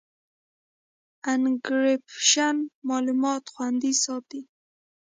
انکریپشن معلومات خوندي ساتي.